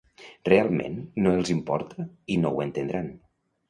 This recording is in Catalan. Realment no els importa i no ho entendran.